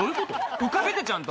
浮かべて、ちゃんと。